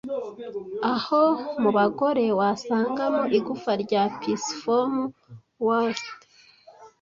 Aho mubagore wasangamo igufwa rya pisiform Wrist